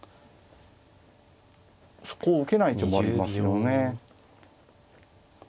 そこを受けない手もありますよね。